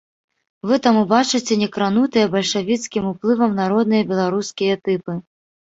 Вы там убачыце не кранутыя бальшавіцкім уплывам народныя беларускія тыпы.